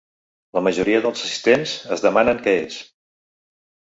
La majoria dels assistents es demanen què és.